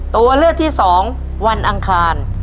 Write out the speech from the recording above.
ตัวเลือกที่๒วันอังคาร